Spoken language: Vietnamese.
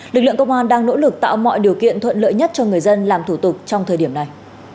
lực lượng công an đang nỗ lực tạo mọi điều kiện thuận lợi nhất cho người dân làm thủ tục trong thời điểm này